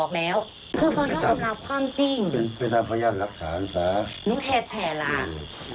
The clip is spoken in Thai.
แม่คนที่ตายก็ไม่มีใครเชื่อหรอก